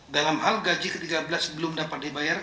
dalam hal gaji ke tiga belas belum dapat dibayar